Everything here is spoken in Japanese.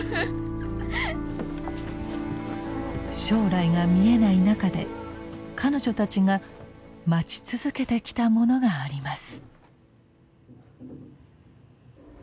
将来が見えない中で彼女たちが待ち続けてきたものがあります。